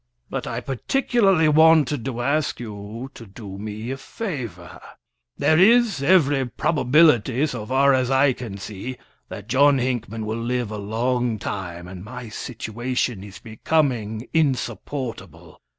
But I particularly wanted to ask you to do me a favor. There is every probability, so far as I can see, that John Hinckman will live a long time, and my situation is becoming insupportable.